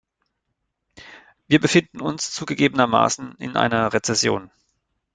Wir befinden uns zugegebenermaßen in einer Rezession.